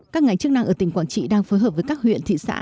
các ngành chức năng ở tỉnh quảng trị đang phối hợp với các huyện thị xã